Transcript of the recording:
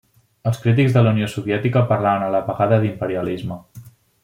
Els crítics de la Unió Soviètica parlaven a la vegada d'imperialisme.